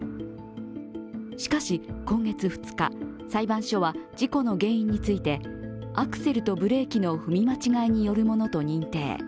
しかし、今月２日、裁判所は事故の原因について、アクセルとブレーキの踏み間違いによるものと認定。